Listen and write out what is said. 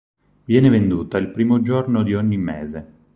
Viene venduta il primo giorno di ogni mese.